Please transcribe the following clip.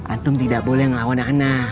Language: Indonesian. antum tidak boleh melawan ana